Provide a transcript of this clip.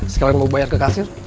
sekalian mau bayar ke kasir